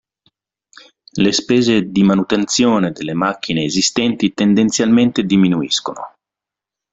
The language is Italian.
Le spese di manutenzione delle macchine esistenti tendenzialmente diminuiscono.